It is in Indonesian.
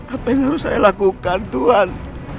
apa yang harus saya lakukan tuhan